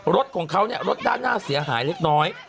รถของเขาเนี่ยรถด้านหน้าเสียหายเล็กน้อย